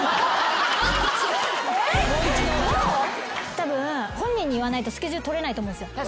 たぶん本人に言わないとスケジュール取れないと思うんですよ。